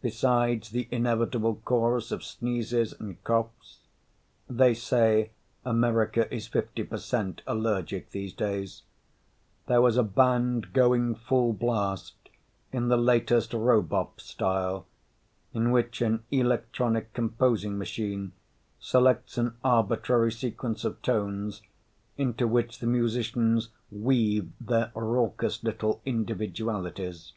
Besides the inevitable chorus of sneezes and coughs (they say America is fifty per cent allergic these days), there was a band going full blast in the latest robop style, in which an electronic composing machine selects an arbitrary sequence of tones into which the musicians weave their raucous little individualities.